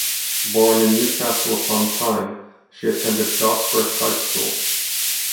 Born in Newcastle upon Tyne, she attended Gosforth High School.